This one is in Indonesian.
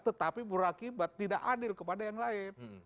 tetapi berakibat tidak adil kepada yang lain